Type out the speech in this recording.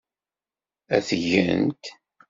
Ad t-gent.